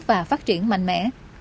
và phát triển mạnh mẽ